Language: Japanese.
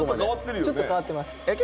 ちょっと変わってるよね。